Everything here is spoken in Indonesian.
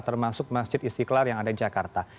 termasuk masjid istiqlal yang ada di jakarta